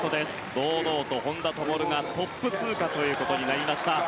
堂々と本多灯がトップ通過となりました。